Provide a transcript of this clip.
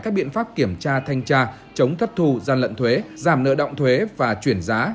các biện pháp kiểm tra thanh tra chống thất thù gian lận thuế giảm nợ động thuế và chuyển giá